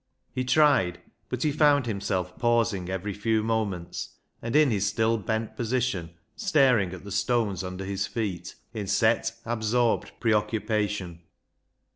He tried ; but he found himself pausing every few moments, and in his still bent posi tion staring at the stones under his feet, in set, absorbed preoccupation.